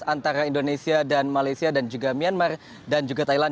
antara indonesia dan malaysia dan juga myanmar dan juga thailand